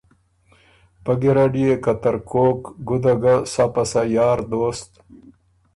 پۀ ګیرډ يې که ترکوک ګُده ګۀ سَۀ پَسَۀ یار دوست